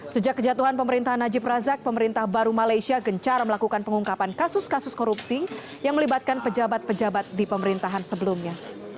sejak kejatuhan pemerintahan najib razak pemerintah baru malaysia gencar melakukan pengungkapan kasus kasus korupsi yang melibatkan pejabat pejabat di pemerintahan sebelumnya